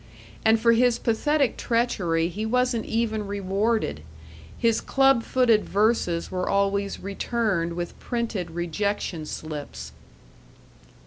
And for his pathetic treachery he wasn't even rewarded. His club footed verses were always returned with printed rejection slips.